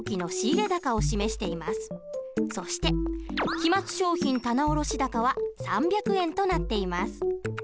そして期末商品棚卸高は３００円となっています。